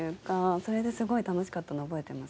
それですごい楽しかったの覚えてますね。